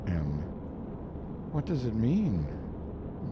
"M. What does it mean?